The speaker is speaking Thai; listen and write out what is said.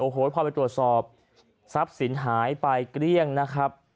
โอ้โหพอไปตรวจสอบทรัพย์สินหายไปเกลี้ยงนะครับ